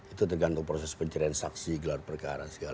itu tergantung proses pencarian saksi gelar perkara segala macam